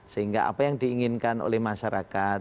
sehingga apa yang diinginkan oleh masyarakat